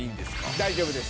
大丈夫です。